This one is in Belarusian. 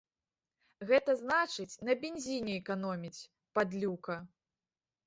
Гэта значыць, на бензіне эканоміць, падлюка!